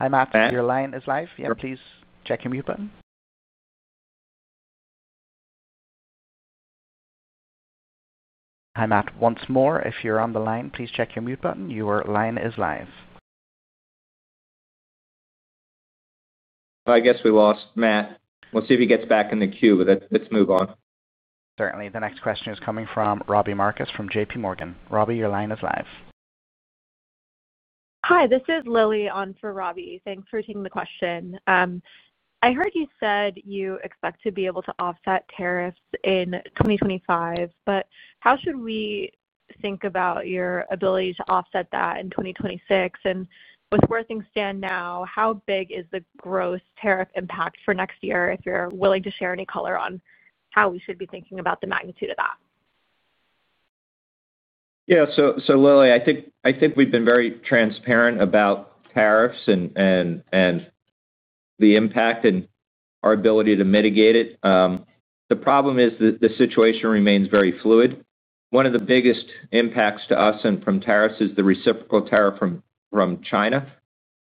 Hi Matt, your line is live. Please check your mute button. Hi Matt, once more. If you're on the line, please check your mute button. I guess we lost Matt. We'll see if he gets back in the queue, but let's move on. Certainly, the next question is coming from Robbie Marcus from JPMorgan. Robbie, your line is live. Hi, this is Lily on for Robbie. Thanks for taking the question. I heard you said you expect to be able to offset tariffs in 2025, but how should we think about your ability to offset that in 2026, and with where things stand now, how big is the gross tariff impact for next year? If you're willing to share any color on how we should be thinking about the magnitude of that. Yeah. Lily, I think we've been very transparent about tariffs and the impact and our ability to mitigate it. The problem is that the situation remains very fluid. One of the biggest impacts to us from tariffs is the reciprocal tariff from China.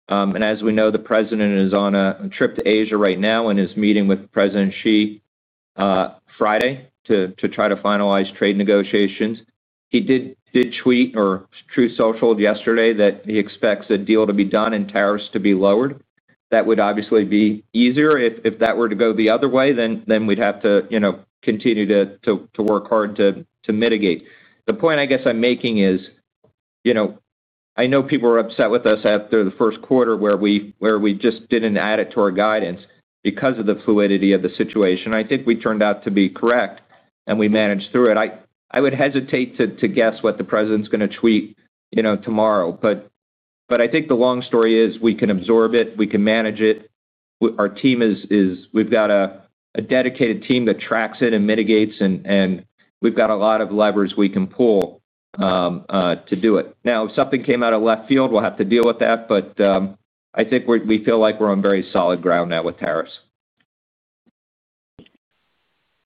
As we know, the President is on a trip to Asia right now and is meeting with President Xi Friday to try to finalize trade negotiations. He did tweet or Truth Social yesterday that he expects a deal to be done and tariffs to be lowered. That would obviously be easier. If that were to go the other way, we'd have to continue to work hard to mitigate. The point I guess I'm making is, you know, I know people were upset with us after the first quarter where we just didn't add it to our guidance because of the fluidity of the situation. I think we turned out to be correct and we managed through it. I would hesitate to guess what the President's going to tweet tomorrow. I think the long story is we can absorb it, we can manage it. Our team is, we've got a dedicated team that tracks it and mitigates and we've got a lot of levers we can pull to do it. If something came out of left field, we'll have to deal with that. I think we feel like we're on very solid ground now with tariffs.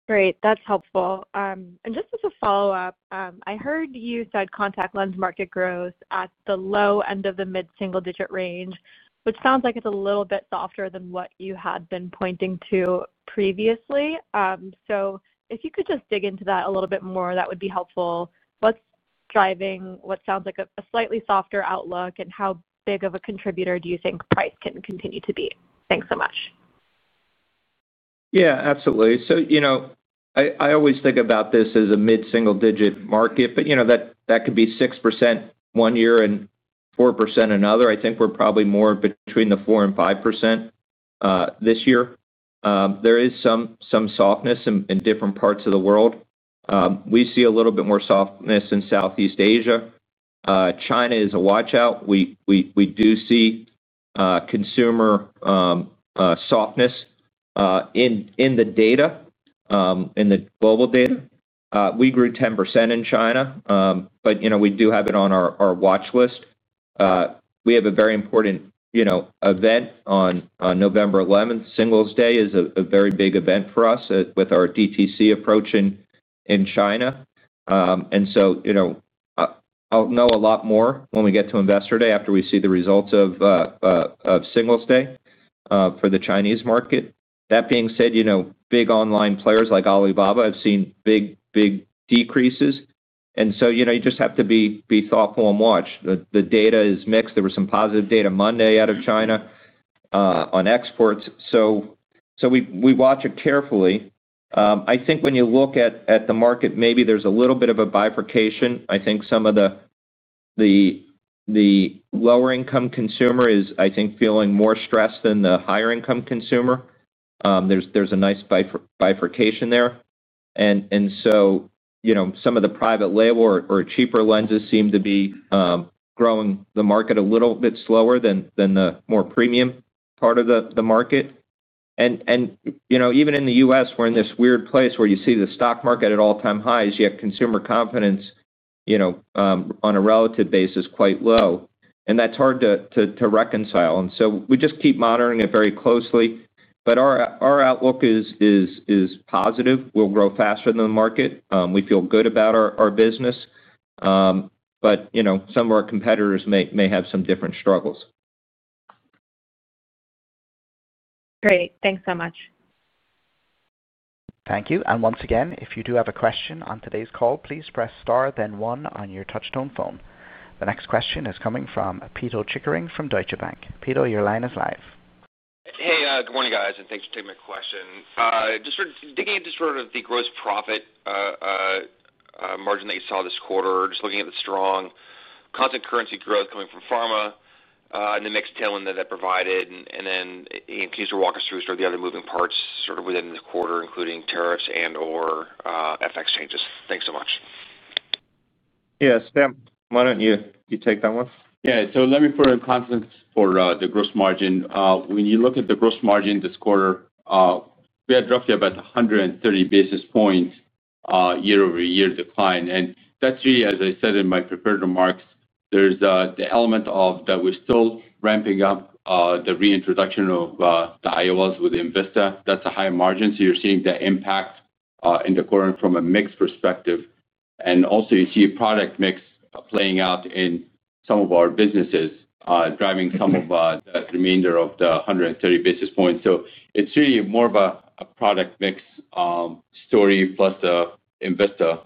Great, that's helpful. Just as a follow up, I heard you said contact lens market growth at the low end of the mid single digit range, which sounds like it's a little bit softer than what you had been pointing to previously. If you could just dig into that a little bit more, that would be helpful. What's driving what sounds like a slightly softer outlook, and how big of a contributor do you think price can continue to be? Thanks so much. Yeah, absolutely. I always think about this as a mid single digit market, but you know that could be 6% one year and 4% another. I think we're probably more between the 4 and 5% this year. There is some softness in different parts of the world. We see a little bit more softness in Southeast Asia. China is a watch out. We do see consumer softness in the data, in the global data. We grew 10% in China, but we do have it on our watch list. We have a very important event on November 11. Singles Day is a very big event for us with our DTC approach in China. I'll know a lot more when we get to Investor Day after we see the results of Singles Day for the Chinese market. That being said, big online players like Alibaba have seen big decreases. You just have to be thoughtful and watch. The data is mixed. There was some positive data Monday out of China on exports. We watch it carefully. I think when you look at the market, maybe there's a little bit of a bifurcation. I think some of the. Lower income. Consumer is, I think, feeling more stressed than the higher income consumer. There's a nice bifurcation there, so some of the private label or cheaper lenses seem to be growing the market a little bit slower than. The more premium part of the market. Even in the U.S. we're in this weird place where you see the stock market at all-time highs, yet consumer confidence on a relative basis is quite low. That's hard to reconcile. We just keep monitoring it very closely. Our outlook is positive. We'll grow faster than the market. We feel good about our business, though some of our competitors may have some different struggles. Great, thanks so much. Thank you. If you do have a question on today's call, please press Star then one on your touchtone phone. The next question is coming from Pito Chickering from Deutsche Bank. Pito, your line is live. Hey, good morning guys and thanks for taking my question. Just digging into sort of the gross profit margin that you saw this quarter, just looking at the strong constant currency growth coming from pharma and the mixed tailwind that it provided. Can you just walk us through the other moving parts sort of within the quarter, including tariffs and or FX changes? Thanks so much. Yeah, Sam, why don't you take that one? Yeah. Let me put in confidence for the gross margin. When you look at the gross margin. This quarter, we had roughly about 130 basis points year-over-year decline. That's really, as I said in my prepared remarks, there's the element of that we're still ramping up the reintroduction of the IOLs with enVista. That's a high margin, so you're seeing the impact in the quarter from a mix perspective. You see product mix playing out in some of our businesses, driving some of the remainder of the 130 basis points. It's really more of a product mix story, plus the enVista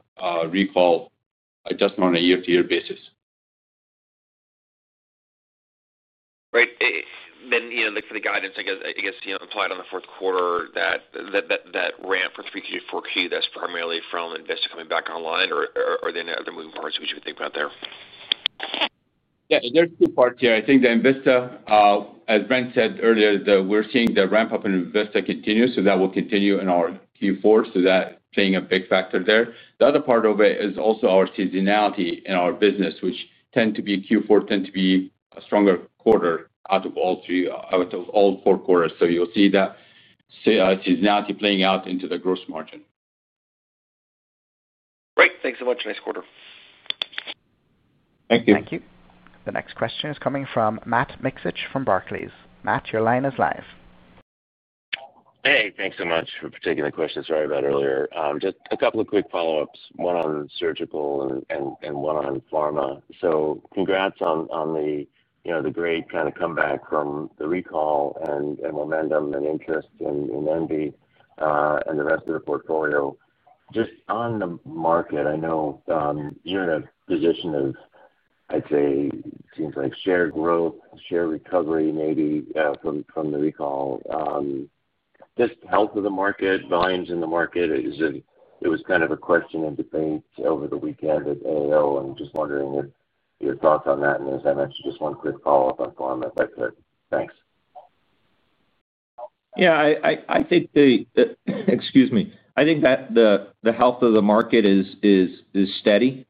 recall adjustment on a year-to-year basis. Right, then for the guidance I guess applied on the fourth quarter. That ramp for 3Q to 4Q, that's primarily from enVista coming back online, or are there any other moving parts we should think about there? Yeah, there's two parts here. I think the enVista, as Brent said earlier, we're seeing the ramp up in enVista continue, so that will continue in our Q4. That is playing a big factor there. The other part of it is also our seasonality in our business, which tends to be Q4 tends to be a stronger quarter out of all four quarters. You'll see that seasonality playing out into the gross margin. Great, thanks so much. Nice quarter. Thank you. Thank you. The next question is coming from Matt Miksic from Barclays. Matt, your line is live. Hey, thanks so much for taking the question. Sorry about earlier. Just a couple of quick follow-ups. One on surgical and one on Pharma. Congrats on the great comeback from the recall and momentum and interest in MIEBO and the rest of the portfolio. Just on the market, I know you're in a position of, I'd say, seems like share growth, share recovery, maybe from the recall, just health of the market, volumes in the market. It was kind of a question and debate over the weekend at AO. I'm just wondering if your thoughts on that. As I mentioned, just one quick follow-up on Pharma if I could. Thanks. Yeah, I think the. Excuse me. I think that the health of the market is steady.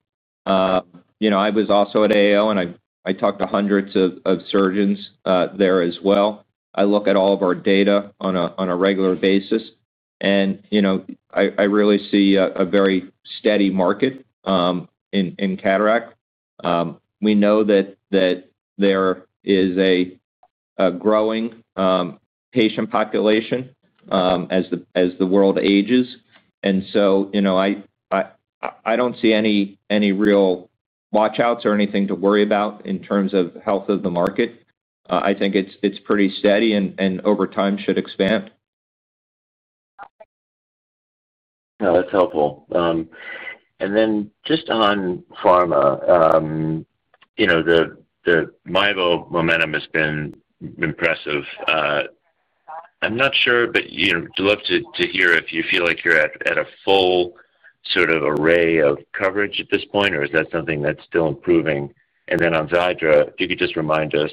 I was also at AO and I talked to hundreds of surgeons there as well. I look at all of our data on a regular basis and I really see a very steady market in cataract. We know that there is a growing patient population as the world ages and I don't see any real watch outs or anything to worry about. In terms of health of the market, I think it's pretty steady and over time should expand. That's helpful. Just on Pharma. The MIBO. Momentum has been impressive. I'm not sure, but love to hear. If you feel like you're at a full sort of array of coverage at this point, or is that something that's still improving? On Xiidra, if you could just remind us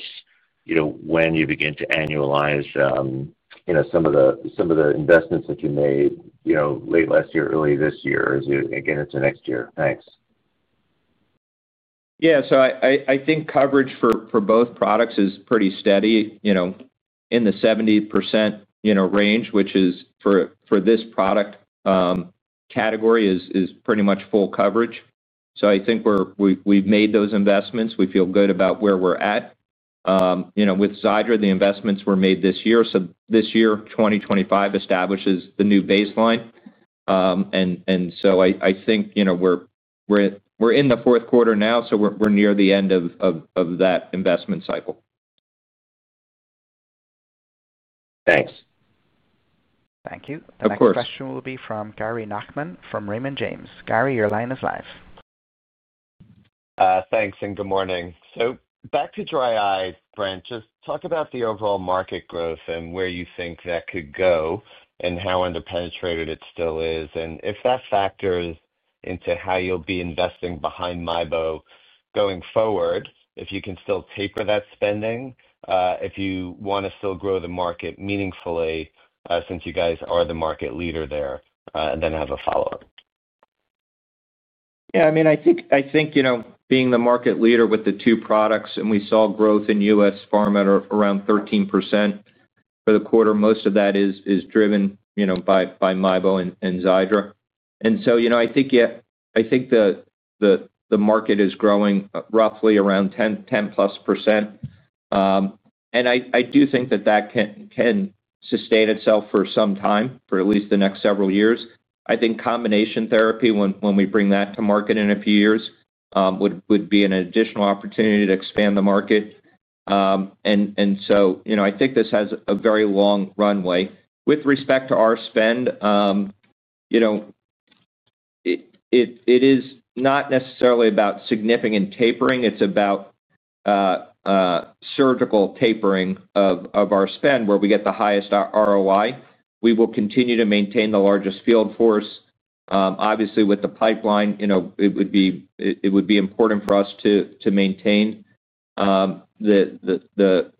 when you begin to annualize some of the investments that you made late last year, early this year, again into next year. Thanks. Yeah, I think coverage for both products is pretty steady in the 70% range, which for this product category is pretty much full coverage. I think we've made those investments. We feel good about where we're at with Xiidra. The investments were made this year. This year, 2025 establishes the new baseline. I think we're in the fourth quarter now, so we're near the end of that investment cycle. Thanks. Thank you. The next question will be from Gary Nachman from Raymond James. Gary, your line is live. Thanks and good morning. Back to dry eye, Brent. Just talk about the overall market growth and where you think that could go and how underpenetrated it still is, and if that factors into how you'll be investing behind MIEBO going forward, if you can still taper that spending, if you want to still grow the market meaningfully, since you guys are the market leader there, and then have a follow up. Yeah, I mean, I think being the market leader with the two products, and we saw growth in U.S. pharma around 13% for the quarter. Most of that is driven by MIEBO and Xiidra. I think the market is growing roughly around 10%+. I do think that that can sustain itself for some time, for at least the next several years. I think combination therapy, when we bring that to market in a few years, would be an additional opportunity to expand the market. I think this has a very long runway with respect to our spend. It is not necessarily about significant tapering. It's about surgical tapering of our spend where we get the highest ROI. We will continue to maintain the largest field force, obviously with the pipeline. It would be important for us to maintain the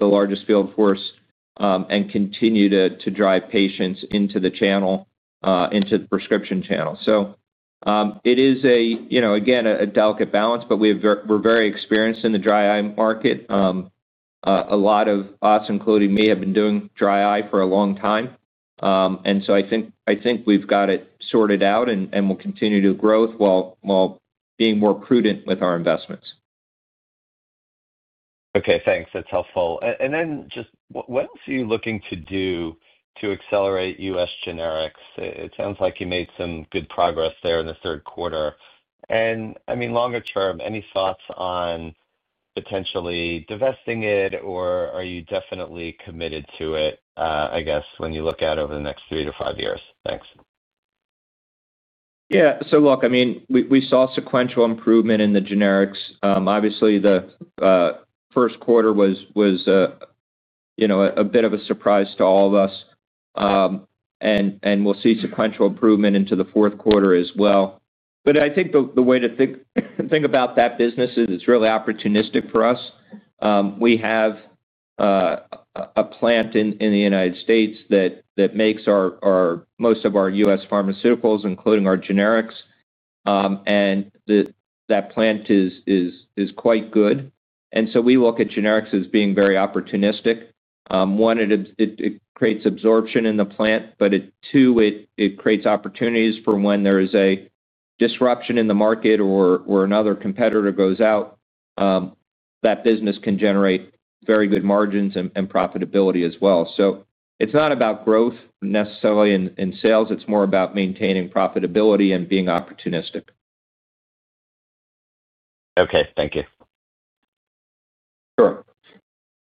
largest field force and continue to drive patients into the channel, into the prescription channel. It is, again, a delicate balance. We're very experienced in the dry eye market. A lot of us, including me, have been doing dry eye for a long time. I think we've got it sorted out and will continue to grow while being more prudent with our investments. Okay, thanks, that's helpful. What else are you looking to do to accelerate U.S. generics? It sounds like you made some good progress there in the third quarter. I mean, longer term, any thoughts on potentially divesting it or are you definitely committed to it? I guess when you look at over. The next three-five years. Thanks. Yeah. I mean, we saw sequential. Improvement in the generics. Obviously, the first quarter was a bit of a surprise to all of us. We will see sequential improvement into the fourth quarter as well. I think the way to think about that business is it's really opportunistic for us. We have a plant in the United States that makes most of our U.S. Pharmaceuticals, including our generics. That plant is quite good, so we look at generics as being very opportunistic. One, it creates absorption in the plant. It creates opportunities for when. There is a disruption in the market or another competitor goes out. That business can generate very good margins and profitability as well. It's not about growth necessarily in sales, it's more about maintaining profitability and being opportunistic. Okay, thank you. Sure.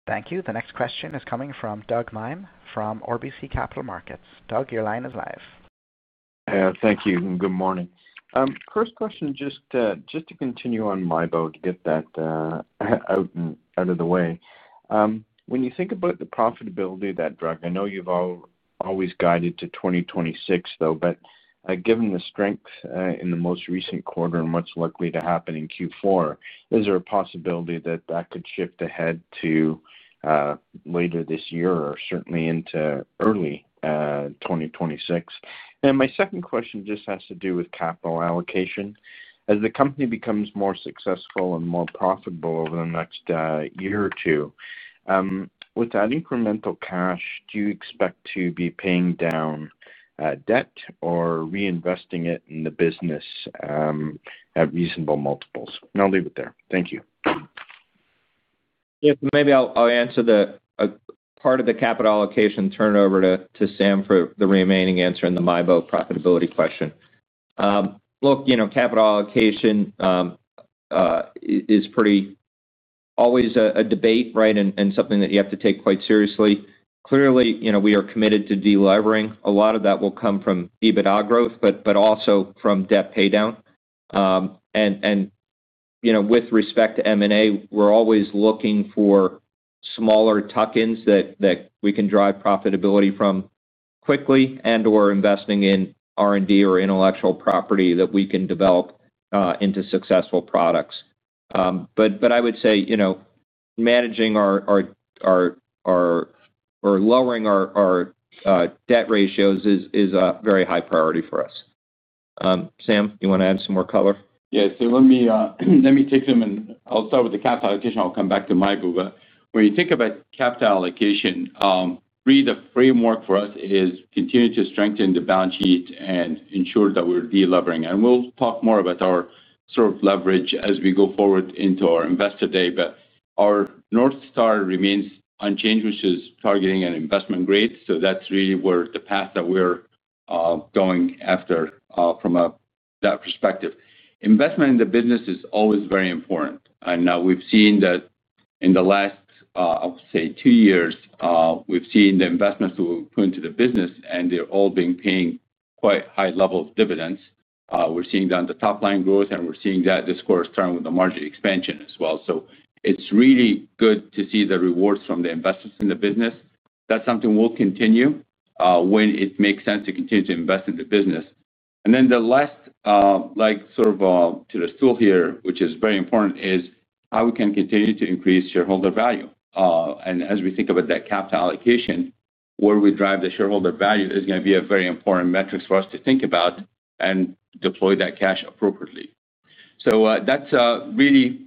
Thank you. The next question is coming from Doug Miehm from RBC Capital Markets. Doug, your line is live. Thank you. Good morning. First question, just to continue on MIEBO, to get that out of the way. When you think about the profitability of that drug. I know you've always guided to 2026, though, but given the strength in the most recent quarter and what's likely to happen in Q4, is there a possibility that that could shift ahead to later this year or certainly into early 2026? My second question just has to do with capital allocation. As the company becomes more successful and more profitable over the next year or two with that incremental cash, do you expect to be paying down debt or reinvesting it in the business at reasonable multiples? I'll leave it there. Thank you. Maybe I'll answer the part of the capital allocation. Turn it over to Sam for the remaining answer in the MIEBO profitability question. Look, capital allocation is pretty always a debate and something that you have to take quite seriously. Clearly we are committed to deleveraging. A lot of that will come from EBITDA growth, but also from debt paydown. With respect to M&A, we're always looking for smaller tuck-ins that we can drive profitability from quickly and or investing in R&D or intellectual property that we can develop into successful products. I would say managing. Lowering our. Debt ratios is a very high priority for us. Sam, you want to add some more color? Yes, let me take them. Start with the capital allocation. I'll come back to MIEBO. When you think about capital allocation, really the framework for us is continue to strengthen the balance sheet and ensure. That we're deleveraging and we'll talk more. About our sort of leverage as we go forward into our Investor Day. Our North Star remains unchanged, which is targeting an investment grade. That's really the path that we're going after from that perspective. Investment in the business is always very important, and we've seen that in the last, say, 2 years. We've seen the investments that we put into the business, and they're all paying quite a high level of dividends. We're seeing that on the top line growth, and we're seeing that this quarter, starting with the margin expansion as well. It's really good to see the rewards from the investors in the business. That's something we'll continue when it makes sense to continue to invest in the business. The last leg to the stool here, which is very important, is how we can continue to increase shareholder value. As we think about that capital allocation, where we drive the shareholder value is going to be a very important metric for us to think about and deploy that cash appropriately. That's really,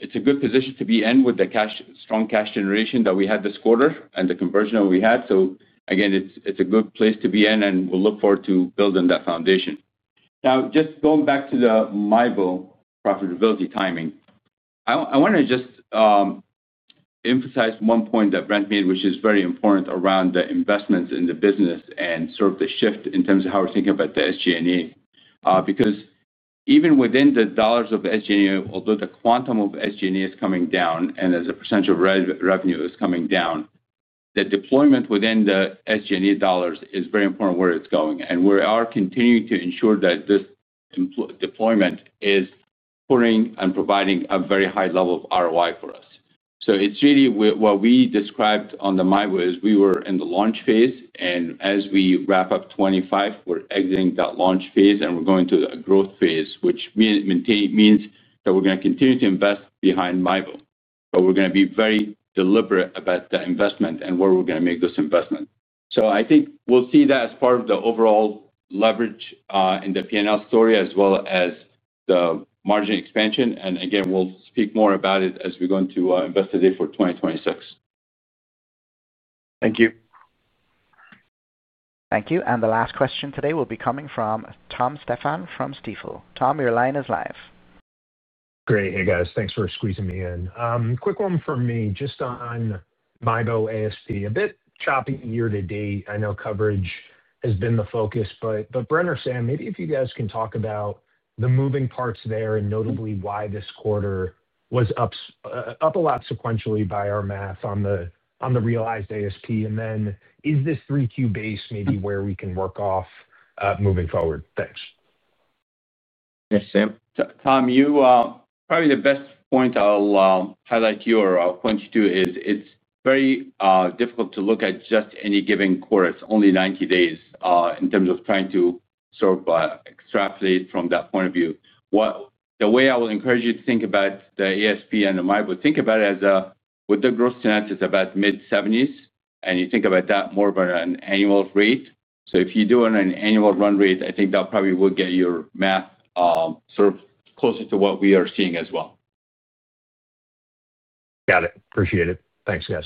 it's a good position. To begin with, the cash is strong. Cash generation that we had this quarter and the conversion we had. It's a good place to be in and we'll look forward to building that foundation. Now, just going back to the MIEBO profitability timing, I want to just emphasize one point that Brent made which is very important around the investments in the business and sort of the shift in terms of how we're thinking about the SG&A, because even within the dollars of SG&A, although the quantum of SG&A is coming down and as a percentage of revenue is coming down, the deployment within the SG&A dollars is very important where it's going. We are continuing to ensure that this deployment is pouring and providing a very high level of ROI for us. It's really what we described on the MIEBO is we were in the launch phase and as we wrap up 2025, we're exiting that launch phase and we're going to a growth phase, which means that we're going to continue to invest behind MIEBO, but we're going to be very deliberate about the investment and where we're going to make this investment. I think we'll see that as part of the overall leverage in the P&L story as well as the margin expansion. We'll speak more about it as we're going to investigate for 2026. Thank you. Thank you. The last question today will be coming from Tom Stephan from Stifel. Tom, your line is live. Great. Hey guys, thanks for squeezing me in. Quick one for me just on MIEBO. ASP a bit choppy year-to-date. I know coverage has been the focus. Brent or Sam, maybe if you. Guys can talk about the moving parts. Notably, why this quarter was up a lot sequentially by our math on the realized ASP, is this 3Q base maybe where we can. Work off moving forward? Thanks Tom, probably the best point I'll highlight or I'll point you to is it's very difficult to look at just any given quarter. It's only 90 days in terms of trying to sort of extrapolate from that point of view. The way I will encourage you to think about the ASP and the MIEBO. Think about it as with the gross tenant, it's about mid-70s, and you think about that more of an annual rate. If you do an annual run rate, I think that probably will get your math sort of closer to what we are seeing as well. Got it. Appreciate it. Thanks guys.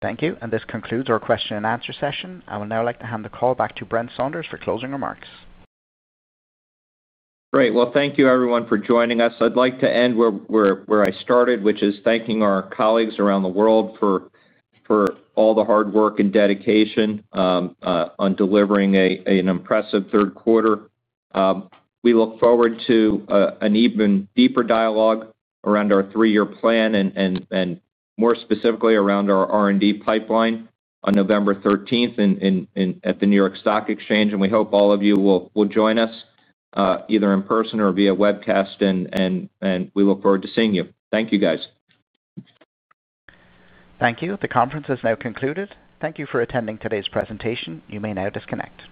Thank you. This concludes our question and answer session. I would now like to hand the call back to Brent for closing remarks. Great. Thank you everyone for joining us. I'd like to end where I started, which is thanking our colleagues around the. World for all the hard work. Dedication on delivering an impressive third quarter. We look forward to an even deeper dialogue around our three-year plan and more specifically around our R&D pipeline on November 13 at the New York Stock Exchange. We hope all of you will join us either in person or via webcast. We look forward to seeing you. Thank you, guys. Thank you. The conference has now concluded. Thank you for attending today's presentation. You may now disconnect.